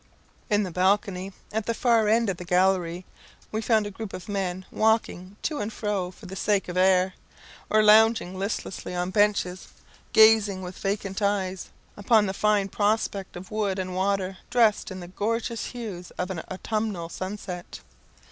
In the balcony, at the far end of the gallery, we found a group of men walking to and fro for the sake of air, or lounging listlessly on benches, gazing, with vacant eyes, upon the fine prospect of wood and water dressed in the gorgeous hues of an autumnal sunset.